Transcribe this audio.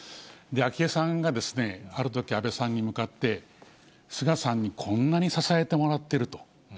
昭恵さんがあるとき、安倍さんに向かって、菅さんにこんなに支えてもらってると。